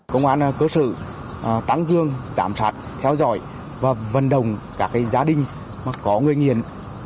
công an cơ sở tăng dương giám sát theo dõi và vận động các gia đình có người nghiện